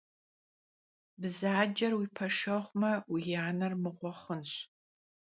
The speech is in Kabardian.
Bzacer vui peşşegume vui aner mığue xhunş.